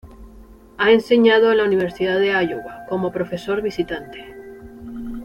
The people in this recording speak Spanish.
Ha enseñado en la Universidad de Iowa como profesor visitante.